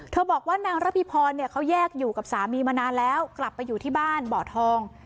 บอกว่านางระพีพรเขาแยกอยู่กับสามีมานานแล้วกลับไปอยู่ที่บ้านบ่อทอง